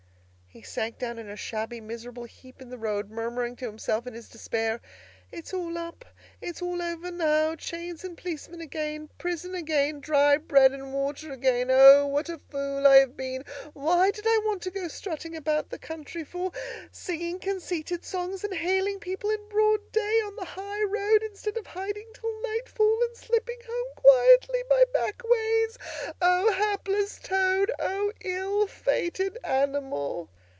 He sank down in a shabby, miserable heap in the road, murmuring to himself in his despair, "It's all up! It's all over now! Chains and policemen again! Prison again! Dry bread and water again! O, what a fool I have been! What did I want to go strutting about the country for, singing conceited songs, and hailing people in broad day on the high road, instead of hiding till nightfall and slipping home quietly by back ways! O hapless Toad! O ill fated animal!"